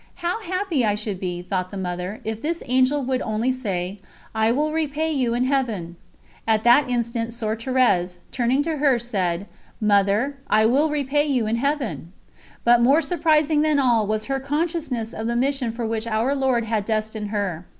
"How happy I should be," thought the Mother, "if this Angel would only say: 'I will repay you in Heaven!' At that instant Soeur Thérèse, turning to her, said: "Mother, I will repay you in Heaven!" But more surprising than all, was her consciousness of the mission for which Our Lord had destined her.